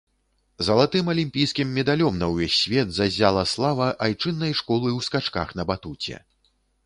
Залатым алімпійскім медалём на ўвесь свет заззяла слава айчыннай школы ў скачках на батуце.